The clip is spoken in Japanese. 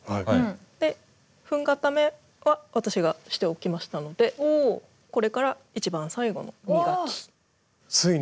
で粉固めは私がしておきましたのでこれから一番最後の磨き。